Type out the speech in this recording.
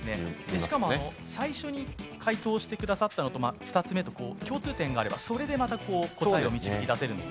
しかも最初に解答してくださったのを共通点があればそれでまた答えを導き出せるので。